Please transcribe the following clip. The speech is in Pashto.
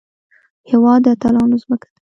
هېواد د اتلانو ځمکه ده